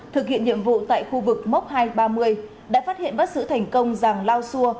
thực hiện nhiệm vụ tại khu vực mốc hai trăm ba mươi đã phát hiện bắt xử thành công giàng lao sua